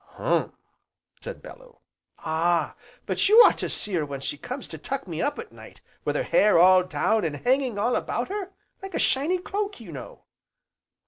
"Hum!" said Bellew. "Ah! but you ought to see her when she comes to tuck me up at night, with her hair all down, an' hanging all about her like a shiny cloak, you know."